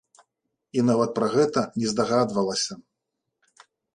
І нават пра гэта не здагадвалася.